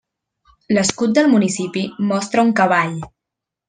L'escut del municipi mostra un cavall.